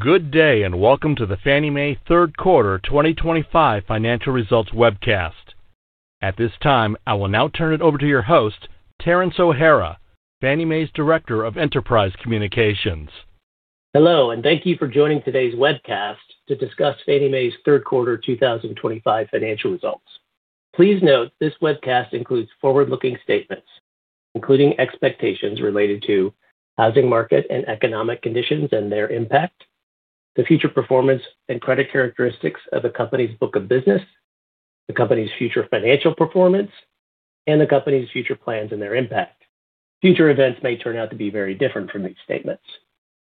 Good day and welcome to the Fannie Mae Third Quarter 2025 Financial Results webcast. At this time, I will now turn it over to your host, Terence O'Hara, Fannie Mae's Director of Enterprise Communications. Hello, and thank you for joining today's webcast to discuss Fannie Mae's Third Quarter 2025 Financial Results. Please note this webcast includes forward-looking statements, including expectations related to the housing market and economic conditions and their impact, the future performance and credit characteristics of a company's book of business, the company's future financial performance, and the company's future plans and their impact. Future events may turn out to be very different from these statements.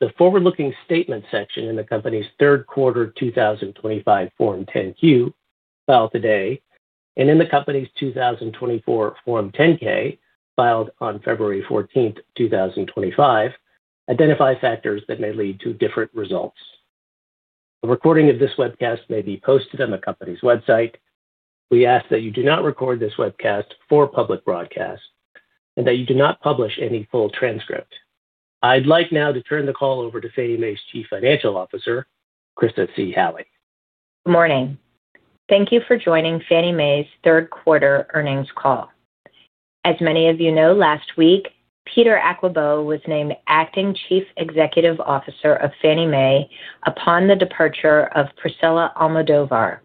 The forward-looking statement section in the company's Third Quarter 2025 Form 10-Q filed today and in the company's 2024 Form 10-K filed on February 14, 2025, identify factors that may lead to different results. A recording of this webcast may be posted on the company's website. We ask that you do not record this webcast for public broadcast and that you do not publish any full transcript. I'd like now to turn the call over to Fannie Mae's Chief Financial Officer, Chryssa C. Halley. Good morning. Thank you for joining Fannie Mae's Third Quarter earnings call. As many of you know, last week, Peter Aquibo was named Acting Chief Executive Officer of Fannie Mae upon the departure of Priscilla Almodovar.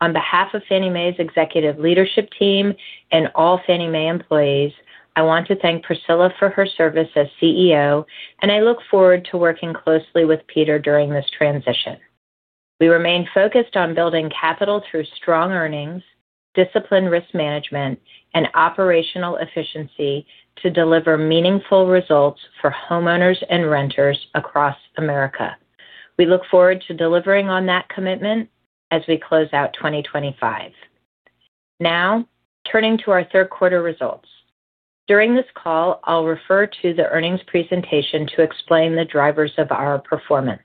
On behalf of Fannie Mae's executive leadership team and all Fannie Mae employees, I want to thank Priscilla for her service as CEO, and I look forward to working closely with Peter during this transition. We remain focused on building capital through strong earnings, disciplined risk management, and operational efficiency to deliver meaningful results for homeowners and renters across America. We look forward to delivering on that commitment as we close out 2025. Now, turning to our third quarter results. During this call, I'll refer to the earnings presentation to explain the drivers of our performance.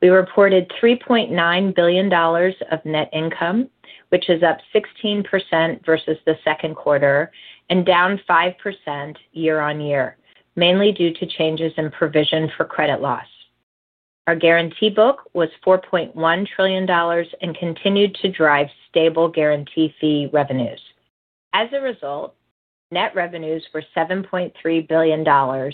We reported $3.9 billion of net income, which is up 16% versus the second quarter and down 5% year on year, mainly due to changes in provision for credit loss. Our guarantee book was $4.1 trillion and continued to drive stable guarantee fee revenues. As a result, net revenues were $7.3 billion,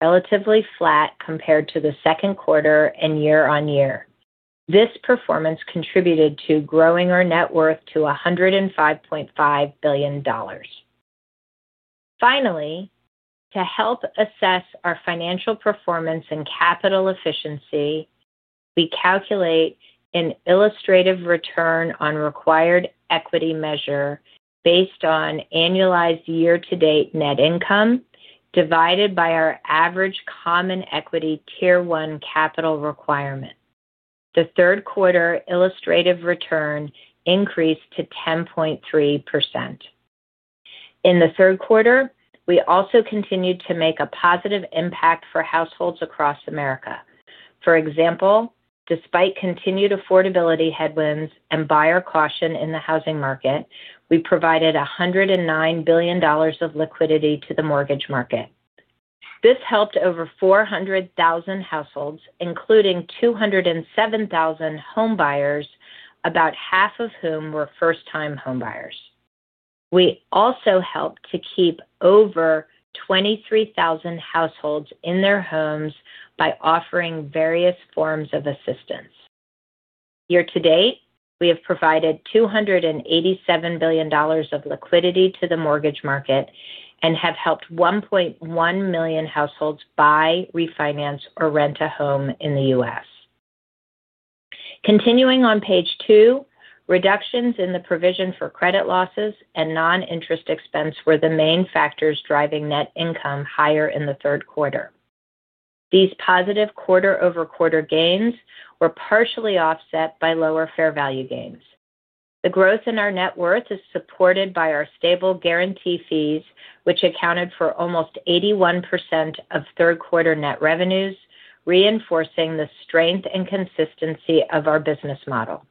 relatively flat compared to the second quarter and year on year. This performance contributed to growing our net worth to $105.5 billion. Finally, to help assess our financial performance and capital efficiency, we calculate an illustrative return on required equity measure based on annualized year-to-date net income divided by our average common equity tier one capital requirement. The third quarter illustrative return increased to 10.3%. In the third quarter, we also continued to make a positive impact for households across America. For example, despite continued affordability headwinds and buyer caution in the housing market, we provided $109 billion of liquidity to the mortgage market. This helped over 400,000 households, including 207,000 homebuyers, about half of whom were first-time homebuyers. We also helped to keep over 23,000 households in their homes by offering various forms of assistance. Year to date, we have provided $287 billion of liquidity to the mortgage market and have helped 1.1 million households buy, refinance, or rent a home in the U.S. Continuing on page two, reductions in the provision for credit losses and non-interest expense were the main factors driving net income higher in the third quarter. These positive quarter-over-quarter gains were partially offset by lower fair value gains. The growth in our net worth is supported by our stable guarantee fees, which accounted for almost 81% of third quarter net revenues, reinforcing the strength and consistency of our business model.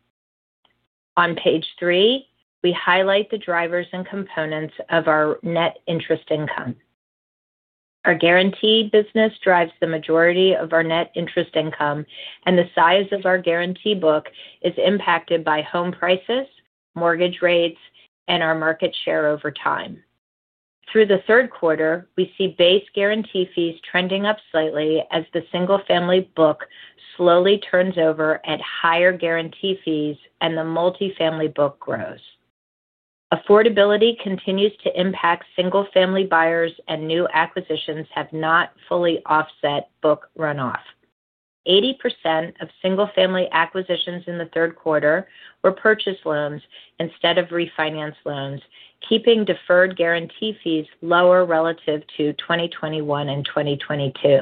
On page three, we highlight the drivers and components of our net interest income. Our guaranteed business drives the majority of our net interest income, and the size of our guarantee book is impacted by home prices, mortgage rates, and our market share over time. Through the third quarter, we see base guarantee fees trending up slightly as the single-family book slowly turns over at higher guarantee fees and the multifamily book grows. Affordability continues to impact single-family buyers, and new acquisitions have not fully offset book runoff. 80% of single-family acquisitions in the third quarter were purchase loans instead of refinance loans, keeping deferred guarantee fees lower relative to 2021 and 2022.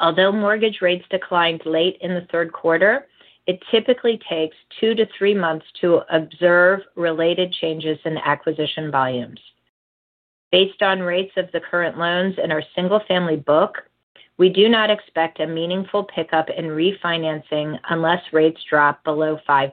Although mortgage rates declined late in the third quarter, it typically takes two to three months to observe related changes in acquisition volumes. Based on rates of the current loans in our single-family book, we do not expect a meaningful pickup in refinancing unless rates drop below 5%.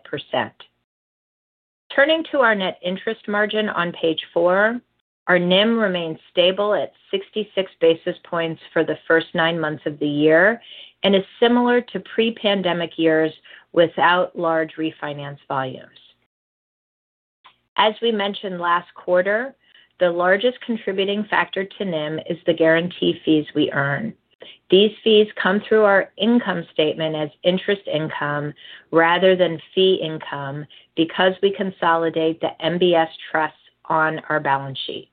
Turning to our net interest margin on page four, our NIM remains stable at 66 basis points for the first nine months of the year and is similar to pre-pandemic years without large refinance volumes. As we mentioned last quarter, the largest contributing factor to NIM is the guarantee fees we earn. These fees come through our income statement as interest income rather than fee income because we consolidate the MBS trusts on our balance sheet.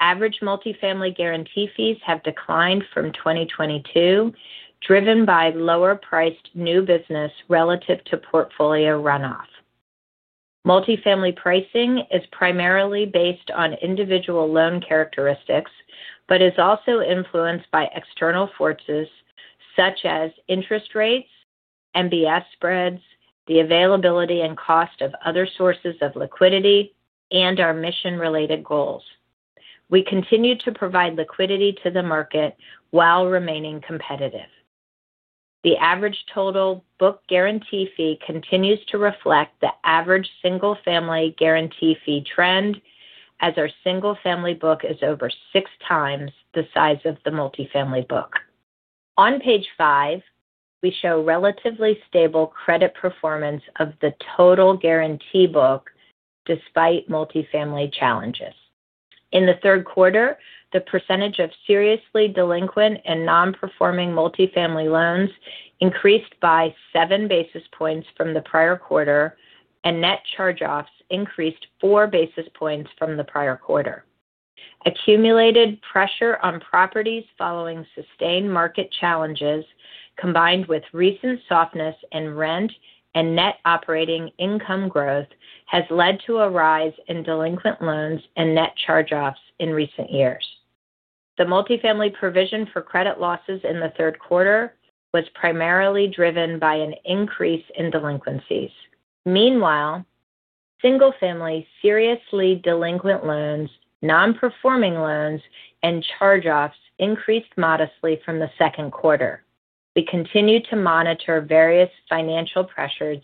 Average multifamily guarantee fees have declined from 2022, driven by lower priced new business relative to portfolio runoff. Multifamily pricing is primarily based on individual loan characteristics, but is also influenced by external forces such as interest rates, MBS spreads, the availability and cost of other sources of liquidity, and our mission-related goals. We continue to provide liquidity to the market while remaining competitive. The average total book guarantee fee continues to reflect the average single-family guarantee fee trend as our single-family book is over six times the size of the multifamily book. On page five, we show relatively stable credit performance of the total guarantee book despite multifamily challenges. In the third quarter, the percentage of seriously delinquent and non-performing multifamily loans increased by 7 basis points from the prior quarter, and net charge-offs increased 4 basis points from the prior quarter. Accumulated pressure on properties following sustained market challenges, combined with recent softness in rent and net operating income growth, has led to a rise in delinquent loans and net charge-offs in recent years. The multifamily provision for credit losses in the third quarter was primarily driven by an increase in delinquencies. Meanwhile, single-family seriously delinquent loans, non-performing loans, and charge-offs increased modestly from the second quarter. We continue to monitor various financial pressures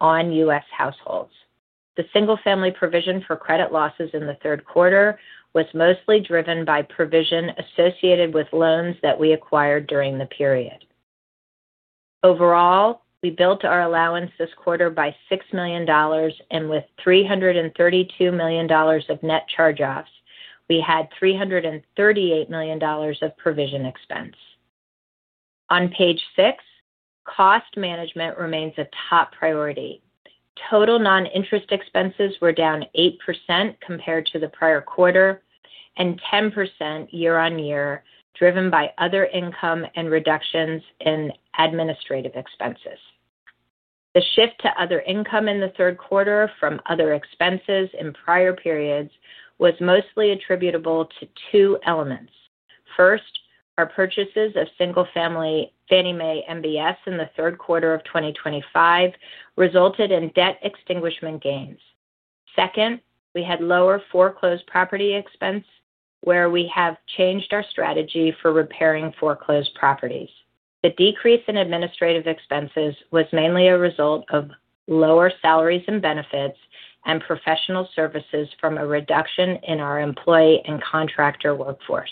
on U.S. households. The single-family provision for credit losses in the third quarter was mostly driven by provision associated with loans that we acquired during the period. Overall, we built our allowance this quarter by $6 million, and with $332 million of net charge-offs, we had $338 million of provision expense. On page six, cost management remains a top priority. Total non-interest expenses were down 8% compared to the prior quarter and 10% year on year, driven by other income and reductions in administrative expenses. The shift to other income in the third quarter from other expenses in prior periods was mostly attributable to two elements. First, our purchases of single-family Fannie Mae MBS in the third quarter of 2025 resulted in debt extinguishment gains. Second, we had lower foreclosed property expense, where we have changed our strategy for repairing foreclosed properties. The decrease in administrative expenses was mainly a result of lower salaries and benefits and professional services from a reduction in our employee and contractor workforce.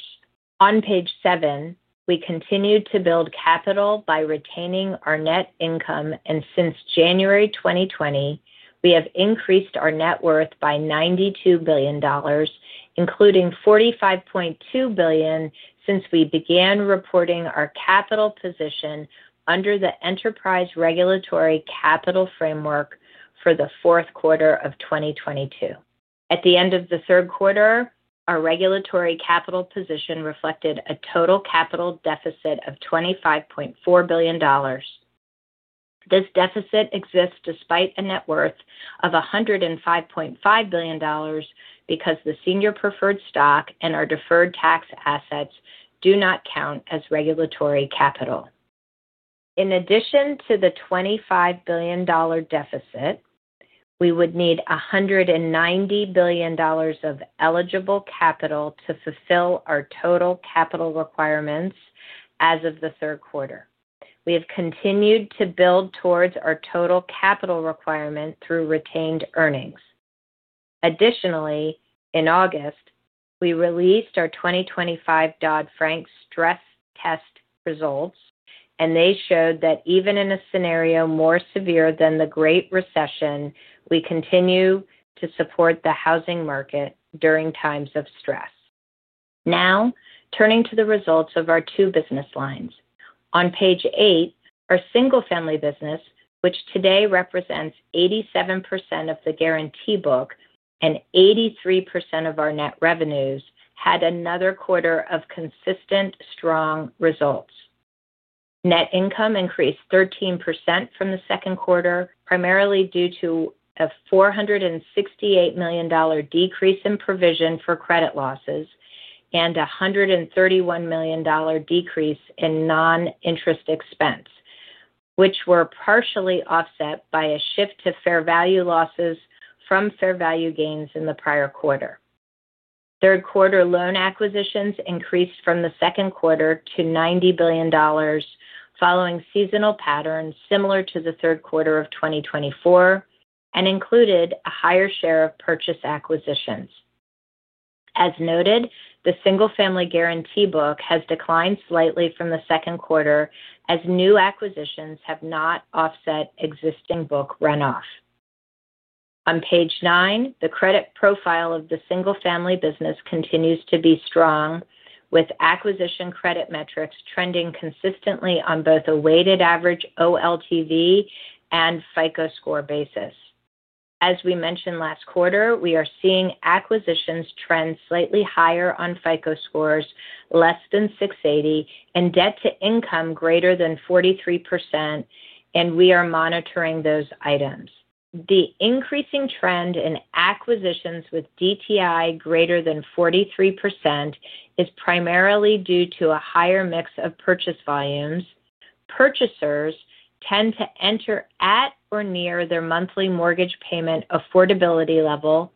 On page seven, we continued to build capital by retaining our net income, and since January 2020, we have increased our net worth by $92 billion, including $45.2 billion since we began reporting our capital position under the Enterprise Regulatory Capital Framework for the fourth quarter of 2022. At the end of the third quarter, our regulatory capital position reflected a total capital deficit of $25.4 billion. This deficit exists despite a net worth of $105.5 billion because the senior preferred stock and our deferred tax assets do not count as regulatory capital. In addition to the $25 billion deficit, we would need $190 billion of eligible capital to fulfill our total capital requirements as of the third quarter. We have continued to build towards our total capital requirement through retained earnings. Additionally, in August, we released our 2025 Dodd-Frank stress test results, and they showed that even in a scenario more severe than the Great Recession, we continue to support the housing market during times of stress. Now, turning to the results of our two business lines. On page eight, our single-family business, which today represents 87% of the guarantee book and 83% of our net revenues, had another quarter of consistent strong results. Net income increased 13% from the second quarter, primarily due to a $468 million decrease in provision for credit losses and a $131 million decrease in non-interest expense, which were partially offset by a shift to fair value losses from fair value gains in the prior quarter. Third quarter loan acquisitions increased from the second quarter to $90 billion following seasonal patterns similar to the third quarter of 2024 and included a higher share of purchase acquisitions. As noted, the single-family guarantee book has declined slightly from the second quarter as new acquisitions have not offset existing book runoff. On page nine, the credit profile of the single-family business continues to be strong, with acquisition credit metrics trending consistently on both a weighted average OLTV and FICO score basis. As we mentioned last quarter, we are seeing acquisitions trend slightly higher on FICO scores, less than 680, and debt to income greater than 43%, and we are monitoring those items. The increasing trend in acquisitions with DTI greater than 43% is primarily due to a higher mix of purchase volumes. Purchasers tend to enter at or near their monthly mortgage payment affordability level,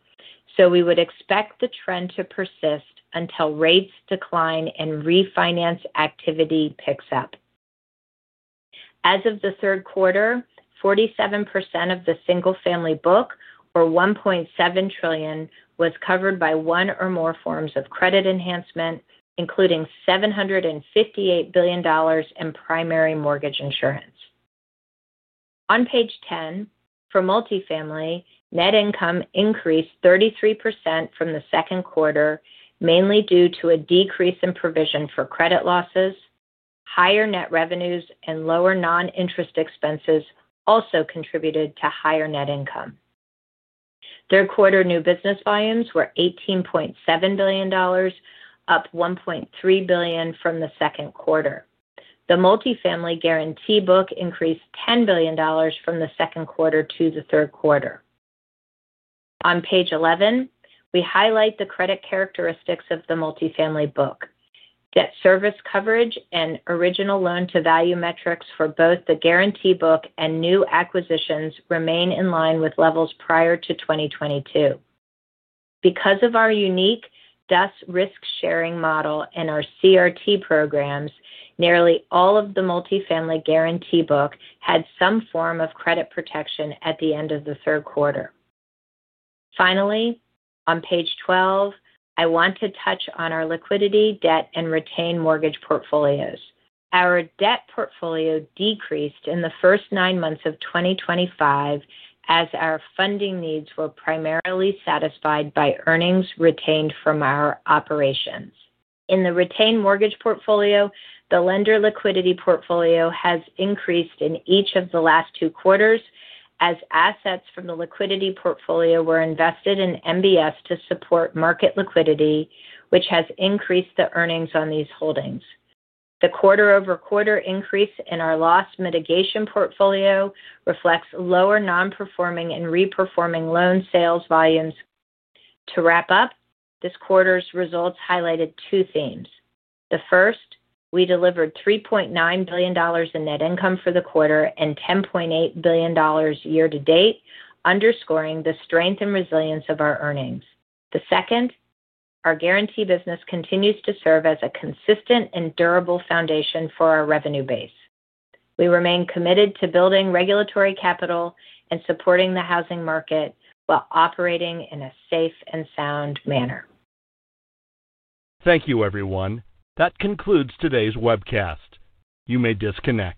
so we would expect the trend to persist until rates decline and refinance activity picks up. As of the third quarter, 47% of the single-family book, or $1.7 trillion, was covered by one or more forms of credit enhancement, including $758 billion in primary mortgage insurance. On page 10, for multifamily, net income increased 33% from the second quarter, mainly due to a decrease in provision for credit losses. Higher net revenues and lower non-interest expenses also contributed to higher net income. Third quarter new business volumes were $18.7 billion, up $1.3 billion from the second quarter. The multifamily guarantee book increased $10 billion from the second quarter to the third quarter. On page 11, we highlight the credit characteristics of the multifamily book. Debt service coverage and original loan-to-value metrics for both the guarantee book and new acquisitions remain in line with levels prior to 2022. Because of our unique DUS risk sharing model and our CRT programs, nearly all of the multifamily guarantee book had some form of credit protection at the end of the third quarter. Finally, on page 12, I want to touch on our liquidity, debt, and retained mortgage portfolios. Our debt portfolio decreased in the first nine months of 2025 as our funding needs were primarily satisfied by earnings retained from our operations. In the retained mortgage portfolio, the lender liquidity portfolio has increased in each of the last two quarters as assets from the liquidity portfolio were invested in MBS to support market liquidity, which has increased the earnings on these holdings. The quarter-over-quarter increase in our loss mitigation portfolio reflects lower non-performing and re-performing loan sales volumes. To wrap up, this quarter's results highlighted two themes. The first, we delivered $3.9 billion in net income for the quarter and $10.8 billion year to date, underscoring the strength and resilience of our earnings. The second, our guarantee business continues to serve as a consistent and durable foundation for our revenue base. We remain committed to building regulatory capital and supporting the housing market while operating in a safe and sound manner. Thank you, everyone. That concludes today's webcast. You may disconnect.